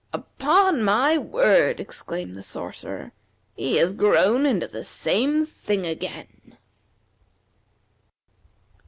"Upon my word!" exclaimed the Sorcerer, "He has grown into the same thing again!"